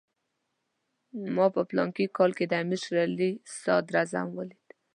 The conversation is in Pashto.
ما په فلاني کال کې د امیر شېر علي صدراعظم ولید.